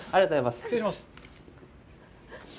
失礼します。